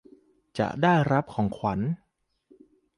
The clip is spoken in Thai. จะได้รับของขวัญ